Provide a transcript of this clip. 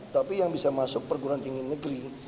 tapi yang bisa masuk perguruan tinggi negeri